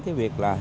cái việc là